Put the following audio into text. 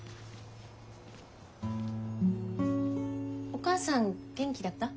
お義母さん元気だった？